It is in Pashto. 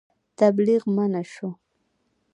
تبلیغ منع شو.